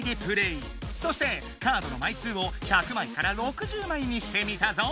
そしてカードの枚数を１００枚から６０枚にしてみたぞ。